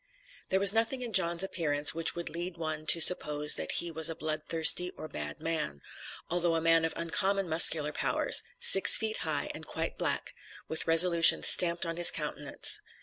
There was nothing in John's appearance which would lead one to suppose that he was a blood thirsty or bad man, although a man of uncommon muscular powers; six feet high, and quite black, with resolution stamped on his countenance.